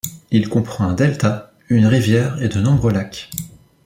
Il comprend un delta, une rivière et de nombreux lacs.